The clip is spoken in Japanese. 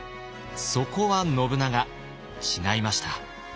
そこは信長違いました。